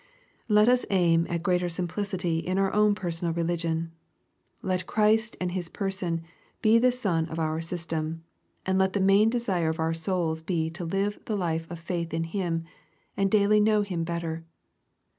Let us aim at greater simplicity in our own personal religion. Let Christ and His Person be the sun of our system, and let the main desire of our souls be to live the life of faith in Him, and daily know Him better.